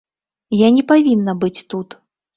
Я не павінна быць тут.